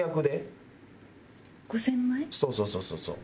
そうそうそうそうそう。